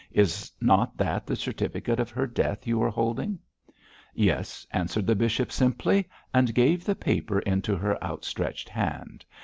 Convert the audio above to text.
Is not that the certificate of her death you are holding?' 'Yes,' answered the bishop, simply, and gave the paper into her outstretched hand.